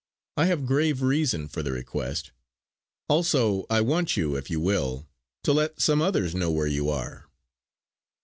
I have grave reason for the request. Also, I want you, if you will, to let some others know where you are."